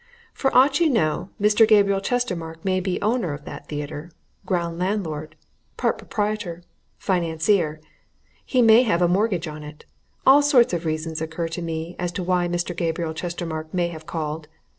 For aught you know, Mr. Gabriel Chestermarke may be owner of that theatre ground landlord part proprietor financier. He may have a mortgage on it. All sorts of reasons occur to me as to why Mr. Gabriel Chestermarke may have called.